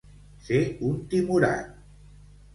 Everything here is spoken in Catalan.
Ser un timorat.